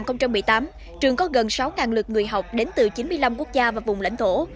năm hai nghìn một mươi tám trường có gần sáu lượt người học đến từ chín mươi năm quốc gia và vùng lãnh thổ